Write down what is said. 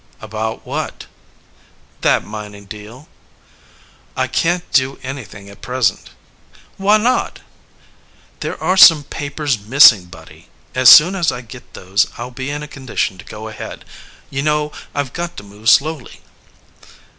"About what?" "That mining deal." "I can't do anything at present." "Why not?" "There are some papers missing, Buddy. As soon as I get those I'll be in a condition to go ahead. You know, I've got to move slowly."